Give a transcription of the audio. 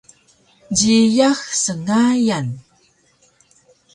Jiyax sngayan